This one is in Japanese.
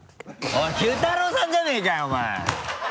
おいＱ太郎さんじゃねぇかよお前！